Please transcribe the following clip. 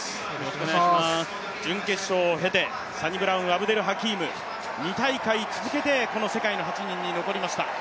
準決勝を経て、サニブラウン・アブデル・ハキーム２大会続けて世界の８人に残りました。